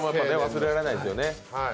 忘れられないですよね。